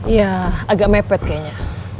iya agak mepet kayaknya